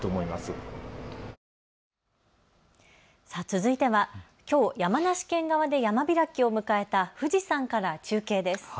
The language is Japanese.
続いてはきょう山梨県側で山開きを迎えた富士山から中継です。